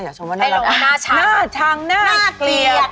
น่าชังน่าเกลียด